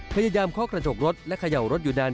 เคาะกระจกรถและเขย่ารถอยู่นาน